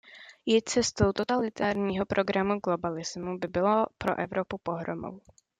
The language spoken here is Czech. Jít cestou totalitárního programu globalismu by bylo pro Evropu pohromou.